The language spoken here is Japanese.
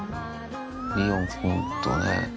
リオン君とね。